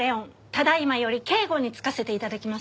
ただいまより警護につかせて頂きます。